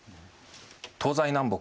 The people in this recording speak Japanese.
東西南北